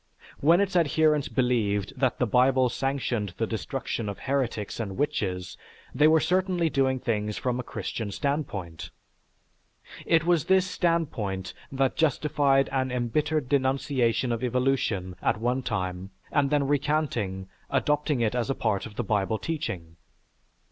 When its adherents believed that the Bible sanctioned the destruction of heretics and witches, they were certainly doing things from a Christian standpoint. It was this standpoint that justified an embittered denunciation of evolution at one time and then recanting, adopted it as a part of the Bible teaching.